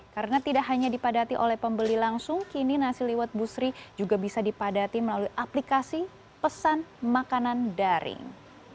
karena tidak hanya dipadati oleh pembeli langsung kini nasi liwet busri juga bisa dipadati melalui aplikasi pesan makanan daring